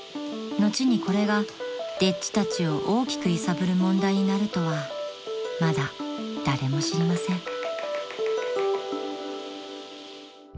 ［後にこれが丁稚たちを大きく揺さぶる問題になるとはまだ誰も知りません］